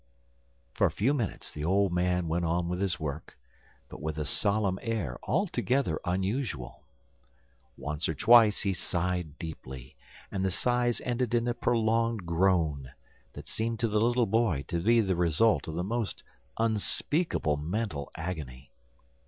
For a few minutes the old man went on with his work, but with a solemn air altogether unusual. Once or twice he sighed deeply, and the sighs ended in a prolonged groan, that seemed to the little boy to be the result of the most unspeakable mental agony.